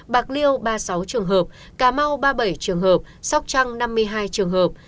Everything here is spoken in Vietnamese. bạc liêu ba mươi sáu trường hợp cà mau ba mươi bảy trường hợp sóc trăng năm mươi hai trường hợp